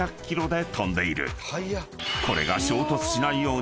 ［これが］